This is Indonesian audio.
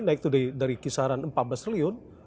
naik itu dari kisaran empat belas triliun